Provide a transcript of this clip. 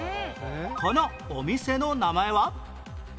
このお店の名前は？